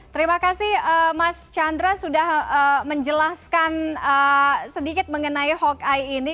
terima kasih mas chandra sudah menjelaskan sedikit mengenai hawkey ini